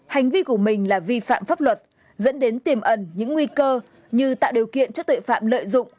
hành vi của mình là vi phạm pháp luật dẫn đến tiềm ẩn những nguy cơ như tạo điều kiện cho tội phạm lợi dụng